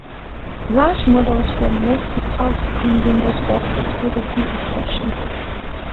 Large models were mostly packed in window boxes, with a few exceptions.